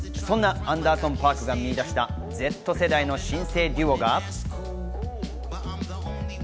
そんなアンダーソン・パークが見いだしたＺ世代の新星デュオが。